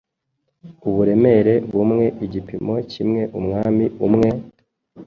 uburemere bumwe igipimo kimwe Umwami umwe,